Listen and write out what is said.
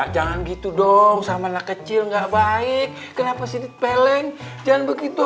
jangan gitu dong sama anak kecil enggak baik kenapa sedikit peleng jangan begitu